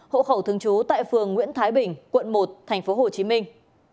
hộ khẩu thương chú tại phường nguyễn thái bình quận một thành phố hồ chí minh